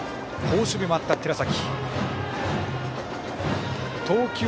好守備もあった寺崎。